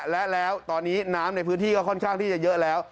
และแล้วตอนนี้น้ำในพื้นที่ก็ค่อนข้างที่จะเยอะแล้ว